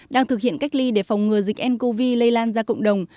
đang thực hiện cách ly để phòng ngừa dịch ncov lây lan ra cộng đồng